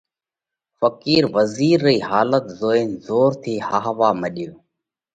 ڦقِير وزِير رئِي حالت زوئينَ زور ٿِي هاهوا مڏيو